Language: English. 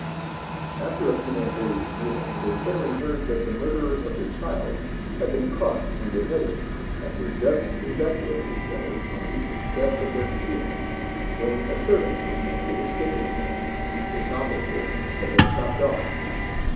After a few more days' kneeling, they suddenly heard that the murderer of the child had been caught and beheaded, and were just congratulating each other on the success of their scheme, when a servant came in with a stick in his hand, the top of which had been chopped off.